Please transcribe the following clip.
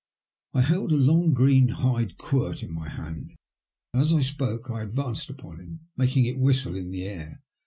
I held a long green hide quirt in my hand, and as I spoke I advanced upon him, makhig it whistle in the air.